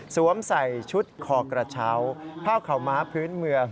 สวมใส่ชุดคอกระเช้าพร่าวเข่าม้าพื้นเมือง